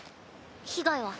被害は？